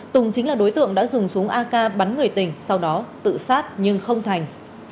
tùng chính là đối tượng đã dùng súng ak bắn người tình sau đó tự sát nhưng không thành